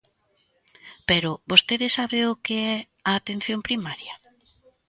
Pero ¿vostede sabe o que é a atención primaria?